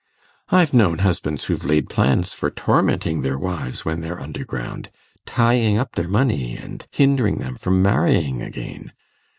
I've known husbands who've laid plans for tormenting their wives when they're underground tying up their money and hindering them from marrying again.